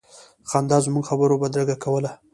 خندا زموږ خبرو بدرګه کوله.